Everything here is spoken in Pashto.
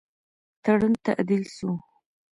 تړون تعدیل سو.